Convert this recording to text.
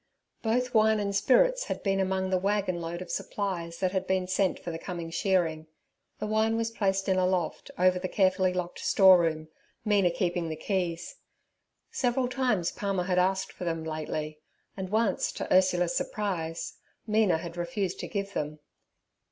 Both wine and spirits had been among the waggon load of supplies that had been sent for the coming shearing. The wine was placed in a loft over the carefully locked storeroom, Mina keeping the keys. Several times Palmer had asked for them lately, and once to Ursula's surprise Mina had refused to give them.